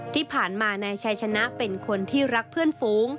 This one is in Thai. ที่ผ่านมานายชัยชนะเป็นคนที่รักเพื่อนฝูง